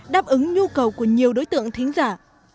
đáp ứng nhu cầu của nhiều đối tượng thính giả